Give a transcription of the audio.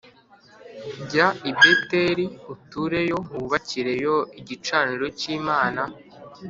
Jya i Beteli utureyo wubakireyo igicaniro cy’Imana